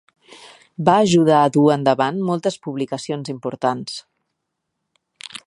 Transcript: Va ajudar a dur endavant moltes publicacions importants.